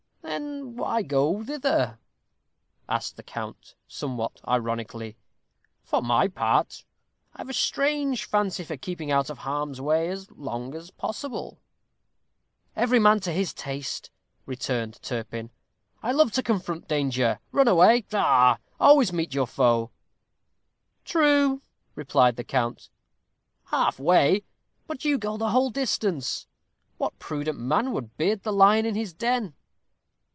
"Then why go thither?" asked the count, somewhat ironically; "for my part, I've a strange fancy for keeping out of harm's way as long as possible." "Every man to his taste," returned Turpin; "I love to confront danger. Run away! pshaw! always meet your foe." "True," replied the count, "half way! but you go the whole distance. What prudent man would beard the lion in his den?"